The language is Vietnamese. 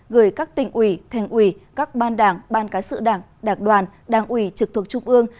gửi các tỉnh ủy thành ủy các ban đảng ban cán sự đảng đảng đoàn đảng ủy trực thuộc trung ương